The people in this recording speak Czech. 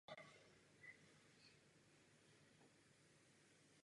V čele provincie stojí "arcibiskup–metropolita z Toulouse".